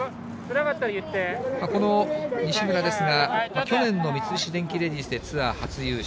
この西村ですが、去年の三菱電機レディスでツアー初優勝。